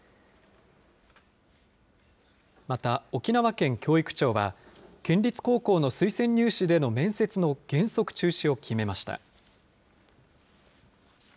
また、沖縄県教育庁は、県立高校の推薦入試での面接の原則中止を決めました。